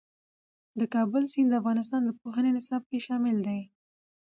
د کابل سیند د افغانستان د پوهنې نصاب کې شامل دي.